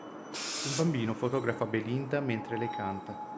Un bambino fotografa Belinda mentre lei canta.